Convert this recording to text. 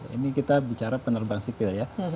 ini kita bicara penerbang sipil ya